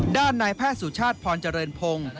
ด้านนายแพทย์สุชาติพรเจริญพงศ์